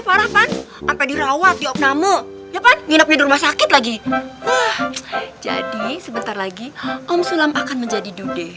parah pan ampe dirawat diopnamu ya kan nginepnya rumah sakit lagi jadi sebentar lagi akan menjadi